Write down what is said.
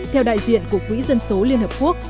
theo đại diện của quỹ dân số liên hợp quốc